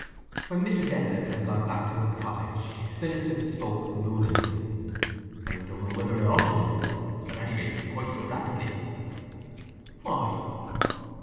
When Mrs. Edlin had gone back to her cottage Phillotson spoke moodily. "I don't know whether I ought to do it—at any rate quite so rapidly." "Why?"